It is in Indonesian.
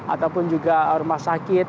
ataupun juga rumah sakit